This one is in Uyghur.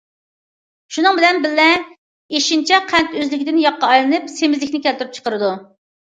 شۇنىڭ بىلەن بىللە ئېشىنچا قەنت ئۆزلۈكىدىن ياغقا ئايلىنىپ، سېمىزلىكنى كەلتۈرۈپ چىقىرىدۇ.